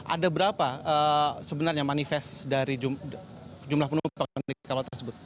ada berapa sebenarnya manifest dari jumlah penumpang di kapal tersebut